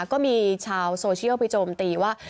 ก็มีชาวโซเชียลพิจารณีโจมตีว่า